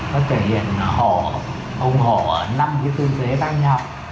nó thể hiện hổ hùng hổ ở năm cái tư thế đa nhau